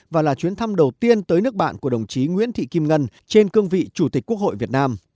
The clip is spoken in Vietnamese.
và là chuyến thăm đầu tiên tới nước bạn của đồng chí nguyễn thị kim ngân trên cương vị chủ tịch quốc hội việt nam